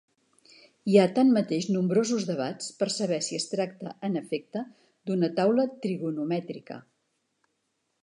Hi ha tanmateix nombrosos debats per saber si es tracta en efecte d'una taula trigonomètrica.